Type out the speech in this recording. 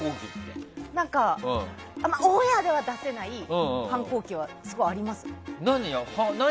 オンエアでは出せない反抗期はすごいあります。